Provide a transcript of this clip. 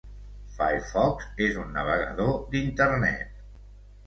Firefox és un navegador d'internet.